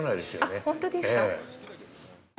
あっ、本当ですか。